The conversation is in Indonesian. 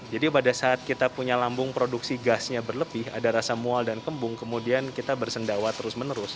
jadi pada saat kita punya lambung produksi gasnya berlebih ada rasa mual dan kembung kemudian kita bersendawa terus menerus